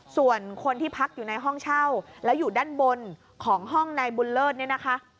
ส่วนคนที่พักอยู่ในห้องเช่าแล้วอยู่ด้านบนของห้องนายบุญเลิศเนี่ยนะคะ